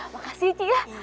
makasih cik ya